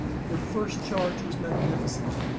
Their first charge was magnificent.